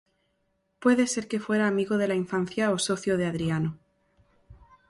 Puede ser que fuera amigo de la infancia o socio de Adriano.